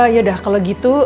yaudah kalau gitu